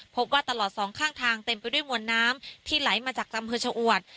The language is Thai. พบว่าตลอดสองข้างทางเต็มไปด้วยมวลน้ำที่ไหลมาจากอำเภอชะอวด